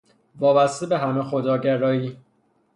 وابسته به همه خداگرایی